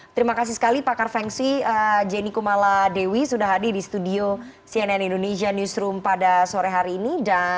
terima kasih sekali pakar feng shui jenny kumala dewi sudah hadir di studio cnn indonesia newsroom pada sore hari ini